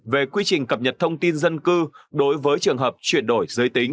về quy trình cập nhật thông tin dân cư đối với trường hợp chuyển đổi giới tính